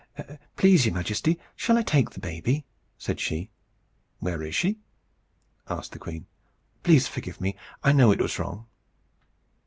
"Please, your Majesty, shall I take the baby?" said she. "Where is she?" asked the queen. "Please forgive me. I know it was wrong."